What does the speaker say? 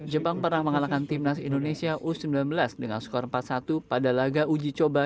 jepang pernah mengalahkan timnas indonesia u sembilan belas dengan skor empat satu pada laga uji coba